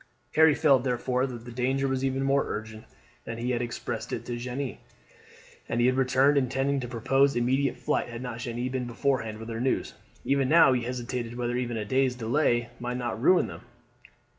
Harry felt, therefore, that the danger was even more urgent than he had expressed it to Jeanne, and he had returned intending to propose immediate flight had not Jeanne been beforehand with her news. Even now he hesitated whether even a day's delay might not ruin them.